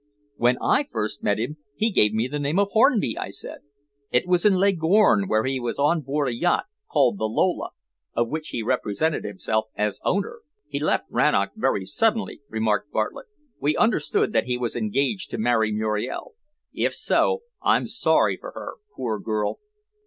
"When I first met him he gave me the name of Hornby," I said. "It was in Leghorn, where he was on board a yacht called the Lola, of which he represented himself as owner." "He left Rannoch very suddenly," remarked Bartlett. "We understood that he was engaged to marry Muriel. If so, I'm sorry for her, poor girl."